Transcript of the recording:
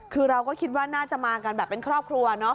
คือเราก็คิดว่าน่าจะมากันแบบเป็นครอบครัวเนาะ